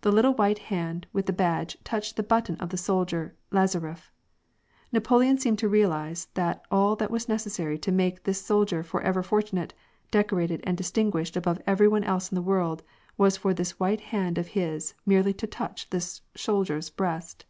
The little white hand with the badge touched the button of the soldier Laza ref. Napoleon seemed to realize that all that was necessary to make this soldier forever fortunate, decorated, and distin guished above every one else in the world, was for this white hand of his merely to touch this soldier^s breast